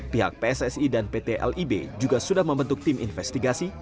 pihak pssi dan pt lib juga sudah membentuk tim investigasi